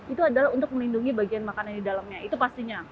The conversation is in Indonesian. itu adalah untuk melindungi bagian makanan di dalamnya itu pastinya